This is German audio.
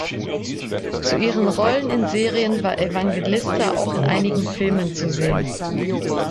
Zu ihren Rollen in Serien war Evangelista auch in einigen Filmen zu sehen.